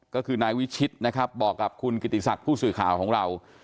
ก็คือนายวิชิตนะครับบอกกับคุณกิติศักดิ์ผู้สื่อข่าวของเรา